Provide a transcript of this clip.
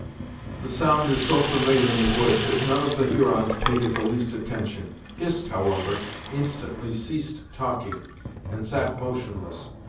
The sound is so familiar in the woods, that none of the Hurons paid it the least attention. Hist, however, instantly ceased talking, and sat motionless.